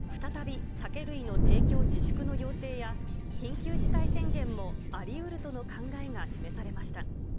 今後の感染状況によっては、再び酒類の提供自粛の要請や緊急事態宣言もありうるとの考えが示されました。